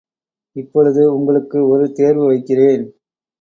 இப்பொழுது உங்களுக்கு ஒரு தேர்வு வைக்கிறேன்.